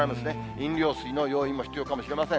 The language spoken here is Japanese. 飲料水の用意も必要かもしれません。